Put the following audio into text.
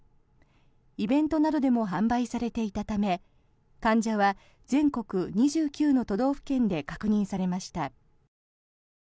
イベントなどでも販売されていたため患者は全国２９の都道府県で確認されました。